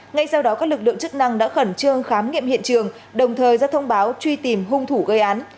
ngay sau đó các lực lượng chức năng đã khẩn trương khám nghiệm hiện trường đồng thời ra thông báo truy tìm hung thủ gây án